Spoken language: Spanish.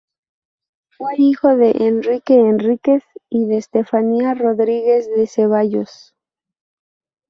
Fue hijo de Enrique Enríquez y de Estefanía Rodríguez de Ceballos.